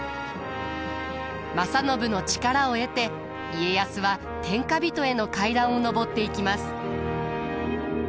正信の力を得て家康は天下人への階段を上っていきます。